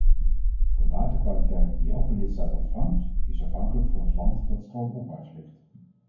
De waterkwaliteit die elke lidstaat ontvangt, is afhankelijk van het land dat stroomopwaarts ligt.